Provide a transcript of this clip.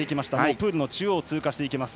プール中央を通過していきました